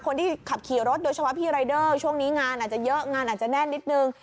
คนที่ขับขี่รถโดยเฉพาะพี่รายเดอร์ช่วงนี้งานอาจจะเยอะงานอาจจะแน่นนิดนึง